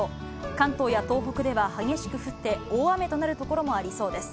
関東や東北では激しく降って、大雨となる所もありそうです。